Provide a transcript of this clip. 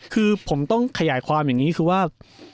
คือผมต้องขยายความอย่างนี้คือว่า